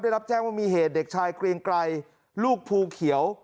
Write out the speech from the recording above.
ได้รับแจ้งว่ามีเหตุเด็กชายเกรียงไกรลูกภูเขียว